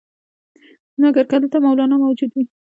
مګر که دلته مولنا موجود وي.